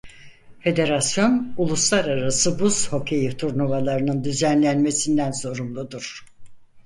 Federasyon uluslararası buz hokeyi turnuvalarının düzenlenmesinden sorumludur.